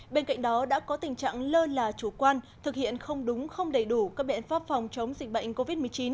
bên cạnh đó đã có tình trạng lơ là chủ quan thực hiện không đúng không đầy đủ các biện pháp phòng chống dịch bệnh covid một mươi chín